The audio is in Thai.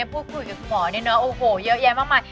พูดคุยกับคุณหมอเนี่ยเนอะโอ้โหเยอะแยะมากมาย